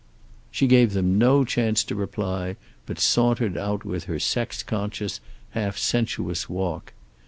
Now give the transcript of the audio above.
She gave them no chance to reply, but sauntered out with her sex conscious, half sensuous walk.